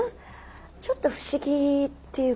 ちょっと不思議っていうか。